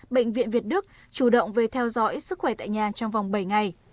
bệnh viện việt đức chủ động về theo dõi sức khỏe tại nhà trong vòng bảy ngày